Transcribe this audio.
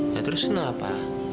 lu terus senang apa